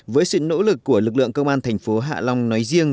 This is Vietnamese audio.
với sự nỗ lực của lực lượng công an thành phố hạ long nói riêng